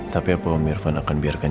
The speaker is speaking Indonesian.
tapi apa om irvan akan biarkan